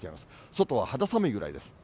外は肌寒いぐらいです。